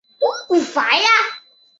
黄猄草为爵床科马蓝属的植物。